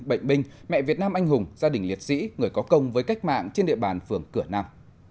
bệnh binh mẹ việt nam anh hùng gia đình liệt sĩ người có công với cách mạng trên địa bàn phường cửa nam